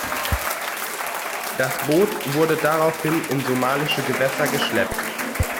Das Boot wurde daraufhin in somalische Gewässer geschleppt.